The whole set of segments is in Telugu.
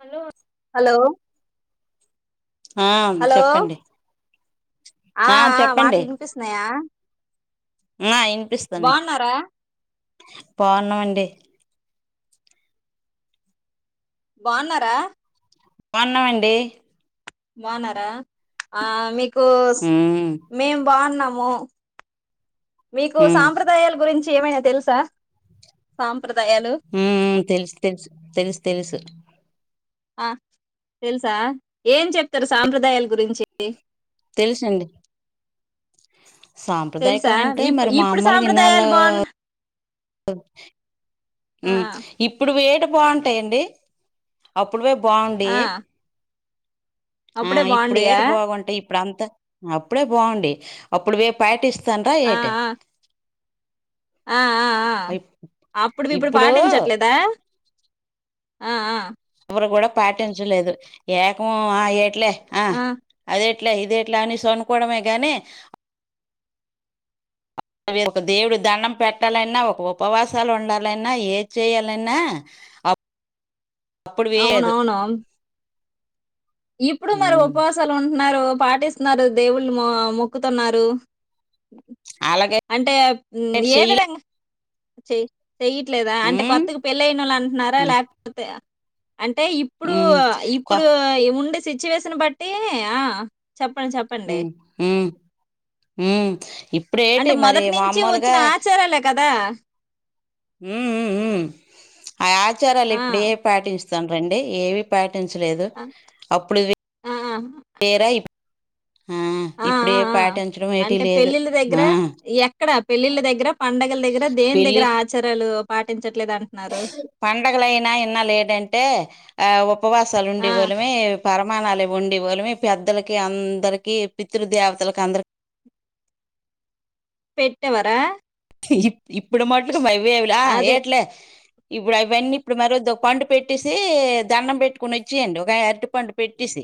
హలో హలో ఆ హలో చెప్పండి ఆ ఆ మాటలు ఇనిపిస్తున్నాయా ఆ ఇనిస్తున్నయ్ బాగున్నారా బాన్నామండి బాన్నారా బాన్నమండి బాన్నారా ఆ మీకు ఉమ్ మేమ్ బాన్నాము మీకు ఉమ్ సాంప్రదాయాల గురించి ఏమైనా తెలుసా సాంప్రదాయాలు మ్ తెలుసు తెలుసు తెలుసు తెలుసు ఆ తెలుసా ఏం చెప్తారు సాంప్రదాయాల గురించి తెలుసండి తెలుసా సాంప్రదాయకలు అంటే ఇప్పు మరి మా ఇప్పుడు అమ్మలు ఇన్నాళ్ళు సాంప్రదాయాలు బాగు ఆ మ్ ఇప్పుడు వేటి బావుంటాయండి అప్పుడువే బావుండి ఆ ఆ అప్పుడే బాగుండయా ఇప్పుడేటి బాగుంటాయి ఇప్పుడు అంతా అప్పుడే బాండీ అప్పుడువి పాటిస్తాన్రా ఏటి ఆహ్హ్ అప్పుడువి ఇప్పుడు పాటించట్లేదా ఆ ఎవరు కూడా పాటించలేదు ఏకం ఆ ఏట్లే ఆ అదేట్లే ఇదేట్లే అని సోన్నుకోడమే గాని అ ఒక దేవుడు దండం పెట్టాలన్నా ఒక ఉపవాసాలు ఉండాలన్నా ఏద్ చెయాలన్నా అప్ అవునవును ఇప్పుడు మరి ఉపవాసాలు ఉంటన్నారు పాటిస్తున్నారు దేవుళ్ళు మొ మొక్కుతున్నారు అలాగే అంటే ఏ చెయ్యలే విధంగా చె చెయట్లేదా అంటే ఉమ్ కొత్తగా పెళ్ళైనోళ్ళు వ. అంటున్నారా లే తే అంటే ఇప్పుడు ఉమ్ కొ ఇప్పుడు ఉండే సిచ్యువేషన్ బట్టి ఆ చెప్పండి చెప్ మ్ మ్మ్ మ్ ఇప్పుడు ఏటి మరి మామోలుగా ఇల్లే కదా మ్మ్ మ్మ్ ఉమ్ ఆ ఆచారాలు ఆ! ఇప్పుడే పాటించుతాన్రండి ఏవి పాటించలేదు ఆ! అప్పుడు ఆ ఏర ఆ ఆ ఆ పాటించడం ఏటి అంటే లేదు పెళ్లిళ్ళ దగ్గర ఆ ఎక్కడ పెళ్ళిళ్ళ దగ్గర పండగల దగ్గర దేని దగ్గర ఆచారాలు పాటించట్లేదన్ పండగలయినా ఇన్నాళ్ళు ఎటంటే ఆ ఉపవాసాలు ఆ! ఉండి వోళ్ళుమి పరమాణాలు ఉండే వోళ్ళుమి పెద్దలకి అందరికి పితృ దేవతలకి అందరి పెట్టెవరా ఇ ఇప్పుడు మట్కు వేవులా అదే ఏట్లే ఇప్పుడు అవన్నీ ఇప్పుడు మరి వద్దు ఒక పండు పెట్టేసి దండం పెట్టుకుని వచ్చేయండి ఒక అరటి పండు పెట్టేసి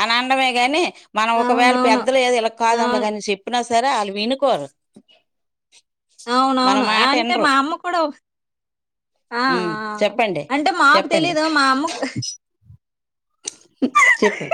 అని అండమే కాని మనం ఒకవేళ అవునవును. పెద్దలు ఏదో ఇలా ఆ! కాదమ కాని చెప్పినా సరే వాళ్ళు వినుకోరు మన అవునవును మాట అంటే వినరు మా అమ్మ కూడా ఆ చెప్పండి అంటే మాకు చెప్పండి తెలీదు మా అమ్మకు చెప్పు